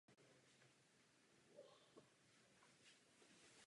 Krize posledních dnů nevznikla v Neapoli z ničeho.